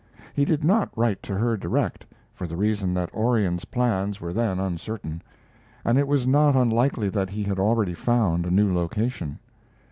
He did not write to her direct, for the reason that Orion's plans were then uncertain, and it was not unlikely that he had already found a new location.